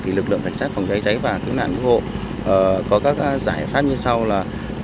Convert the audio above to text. thì lực lượng cảnh sát phòng cháy cháy và cứu nạn cứu hộ có các giải pháp như sau là